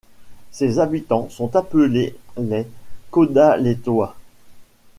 Ses habitants sont appelés les Codalétois.